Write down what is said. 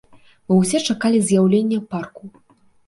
Мы ўсе чакалі з'яўлення парку.